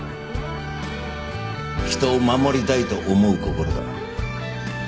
人を守りたいと思う心だ。